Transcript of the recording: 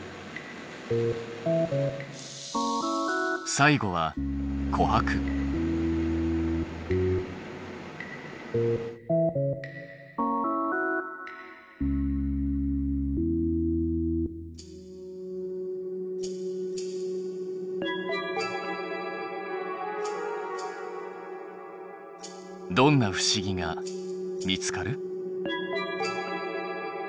最後はどんな不思議が見つかる？